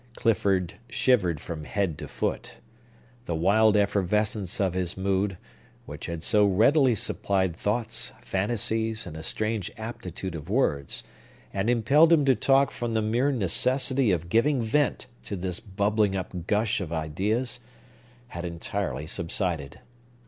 Clifford shivered from head to foot. The wild effervescence of his mood—which had so readily supplied thoughts, fantasies, and a strange aptitude of words, and impelled him to talk from the mere necessity of giving vent to this bubbling up gush of ideas had entirely subsided.